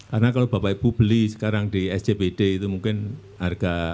karena kalau bapak ibu beli sekarang di sjpd itu mungkin harga